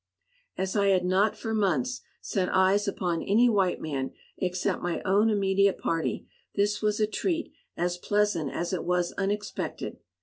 As I had not for months set eyes upon any white man except my own immediate party, this was a treat as pleasant as it was unexpected.